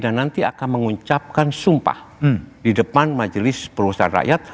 dan nanti akan mengucapkan sumpah di depan majelis perusahaan rakyat